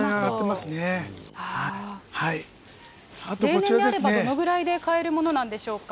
例年であれば、どのぐらいで買えるものなんでしょうか。